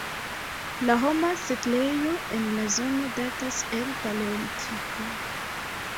La homa setlejo en la zono datas el paleolitiko.